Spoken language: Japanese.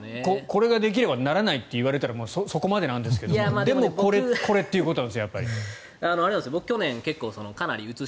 これができればならないと言われたらもうそこまでなんですけどでも、これということです